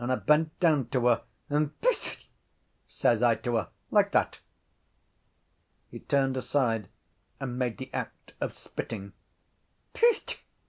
I bent down to her and Phth! says I to her like that. He turned aside and made the act of spitting. —_Phth!